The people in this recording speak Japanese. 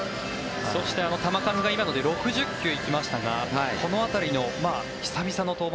そして、球数が今ので６０球行きましたがこの辺りの久々の登板